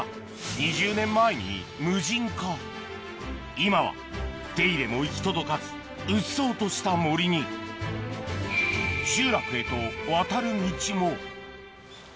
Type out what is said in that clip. ２０年前に無人化今は手入れも行き届かずうっそうとした森にあああ。